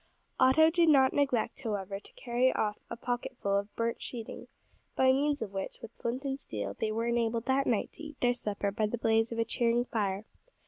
Otto did not neglect, however, to carry off a pocketful of burnt sheeting, by means of which, with flint and steel, they were enabled that night to eat their supper by the blaze of a cheering fire.